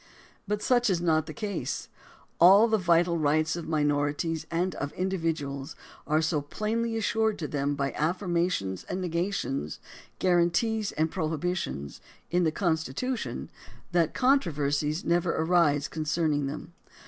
But such is not the case. All the vital rights of minorities and of individuals are so plainly assured to them by affirmations and negations, guarantees and prohibitions, in the Constitution, that controversies never arise concerning them.